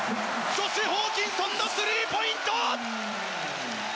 ジョシュ・ホーキンソンのスリーポイント！